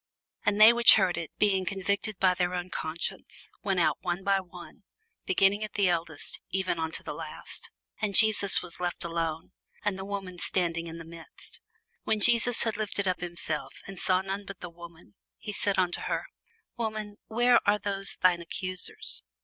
And they which heard it, being convicted by their own conscience, went out one by one, beginning at the eldest, even unto the last: and Jesus was left alone, and the woman standing in the midst. When Jesus had lifted up himself, and saw none but the woman, he said unto her, Woman, where are those thine accusers?